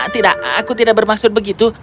tidak aku tidak bermaksud begitu